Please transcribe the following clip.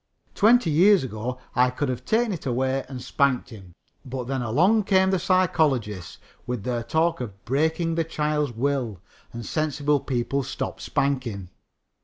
Twenty years ago I could have taken it away and spanked him, but then along came the psychologists with their talk of breaking the child's will, and sensible people stopped spanking.